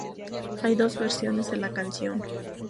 Hay dos versiones de la canción.